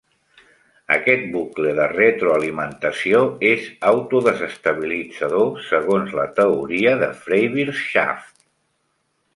Aquest bucle de retroalimentació és "autodesestabilitzador", segons la teoria de Freiwirtschaft.